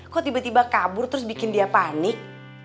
kok tiba tiba kabur terus bikin dia panik